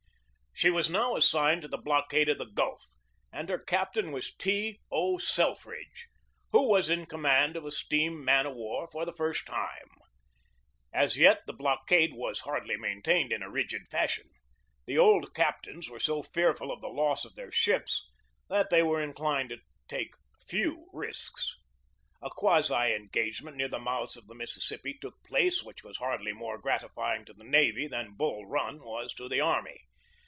She was now assigned to the blockade of the Gulf, and her captain was T. O. Selfridge, who was in command of a steam man of war for the first time. As yet the blockade was hardly maintained in a rigid fashion. The old captains were so fearful of the loss of their ships that they were inclined to take few risks. A quasi engagement near the mouths of the Mississippi took place, which was hardly more gratifying to the navy than Bull Run was to the army.